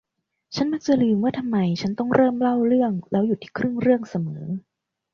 ฉันมักจะลืมว่าทำไมฉันต้องเริ่มเล่าเรื่องแล้วหยุดที่ครึ่งเรื่องเสมอ